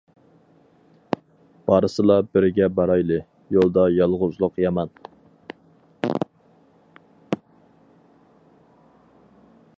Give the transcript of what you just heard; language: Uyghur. بارسىلا بىرگە بارايلى، يولدا يالغۇزلۇق يامان.